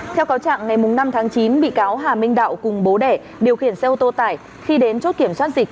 theo cáo trạng ngày năm tháng chín bị cáo hà minh đạo cùng bố đẻ điều khiển xe ô tô tải khi đến chốt kiểm soát dịch